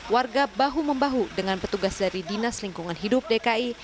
warga bahu membahu dengan petugas dari dinas lingkungan hidup dki